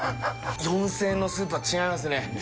４０００円のスープは違いますね。